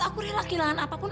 aku rela kehilangan apapun